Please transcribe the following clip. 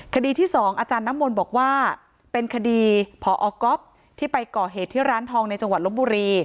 คดีที่สองอาจารย์น้ำมนต์บอกว่าเป็นคดีพอก๊อฟที่ไปก่อเหตุที่ร้านทองในจังหวัดลบบุรี